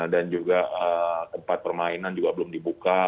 dan juga tempat permainan juga belum dibuka